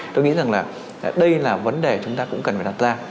tôi nghĩ rằng là đây là vấn đề chúng ta cũng cần phải đặt ra